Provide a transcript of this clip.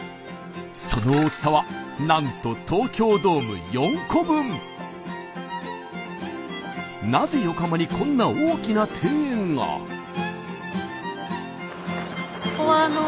その大きさはなんとなぜ横浜にこんな大きな庭園が？うわ！